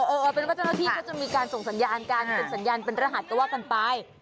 เอาเป็นว่าเจ้าหน้าที่เขาจะมีการส่งสัญญาณกันเป็นสัญญาณเป็นรหัสก็ว่ากันไป